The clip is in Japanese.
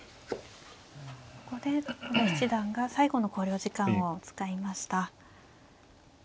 ここで戸辺七段が最後の考慮時間を使いました。